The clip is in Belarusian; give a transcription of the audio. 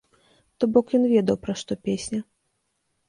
То бок ён ведаў пра што песня.